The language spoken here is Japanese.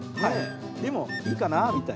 でもいいかなみたいな。